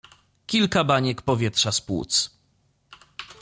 Kilka baniek powietrza z płuc.